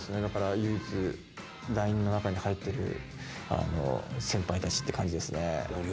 唯一ＬＩＮＥの中に入ってる先輩たちって感じですね。